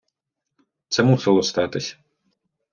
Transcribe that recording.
Це мусило статись.